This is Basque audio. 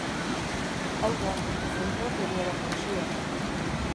Hau da, zentralkeriara jausi da.